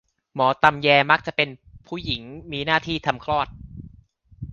หมอตำแย มักจะเป็นผู้หญิง มีหน้าที่ทำคลอด